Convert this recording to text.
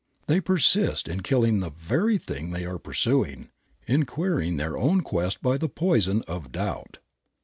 They persist in killing the very thing they are pursuing, in queering their own quest by the poison of doubt.